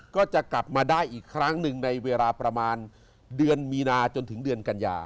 ก็จะกลับมาได้อีกครั้งหนึ่งในเวลาประมาณเดือนมีนาจนถึงเดือนกันยา